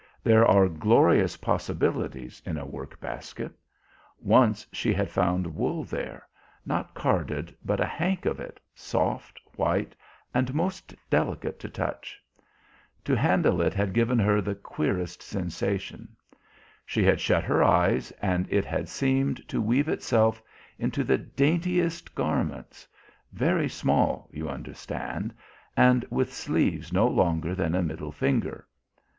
There are glorious possibilities in a workbasket. Once she had found wool there, not carded, but a hank of it, soft, white and most delicate to touch. To handle it had given her the queerest sensation. She had shut her eyes, and it had seemed to weave itself into the daintiest garments very small, you understand, and with sleeves no longer than a middle finger.